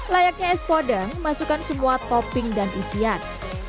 layaknya es podeng masukkan semua topping dan isian